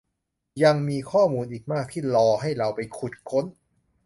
ยังมีข้อมูลอีกมากที่รอให้เราไปขุดค้น